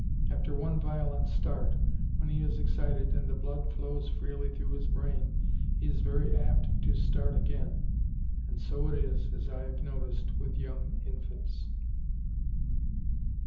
After one violent start, when he is excited and the blood flows freely through his brain, he is very apt to start again; and so it is, as I have noticed, with young infants.